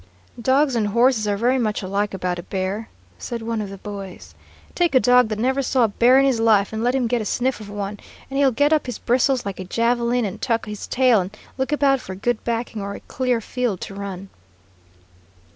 "Dogs and horses are very much alike about a bear," said one of the boys. "Take a dog that never saw a bear in his life, and let him get a sniff of one, and he'll get up his bristles like a javeline and tuck his tail and look about for good backing or a clear field to run."